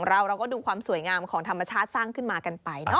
เราก็ดูความสวยงามของธรรมชาติสร้างขึ้นมากันไปเนาะ